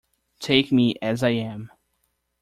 Take me as I am.